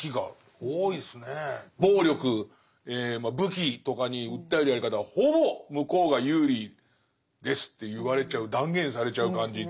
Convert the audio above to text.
暴力武器とかに訴えるやり方はほぼ向こうが有利ですって言われちゃう断言されちゃう感じっていう。